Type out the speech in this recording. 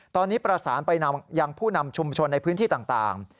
ตอนนี้ประสานไปยังผู้นำชุมชนในพื้นที่ต่าง